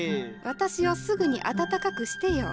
私をすぐに暖かくしてよ。